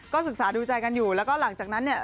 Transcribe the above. ศึกษาดูใจกันอยู่แล้วก็หลังจากนั้นเนี่ย